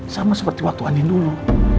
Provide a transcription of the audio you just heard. sama seperti waktu ani dulu